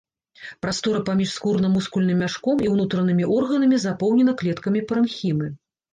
Прастора паміж скурна-мускульным мяшком і ўнутранымі органамі запоўнена клеткамі парэнхімы.